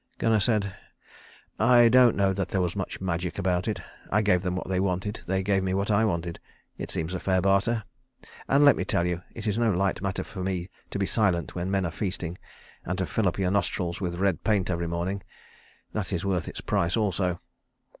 Gunnar said, "I don't know that there was much magic about it. I gave them what they wanted, they gave me what I wanted. It seems a fair barter. And let me tell you, it is no light matter for me to be silent when men are feasting; and to fill up your nostrils with red paint every morning that is worth its price also."